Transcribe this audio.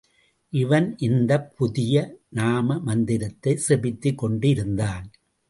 இவன் இந்தப் புதிய நாம மந்திரத்தைச் செபித்துக் கொண்டு இருந்தான்.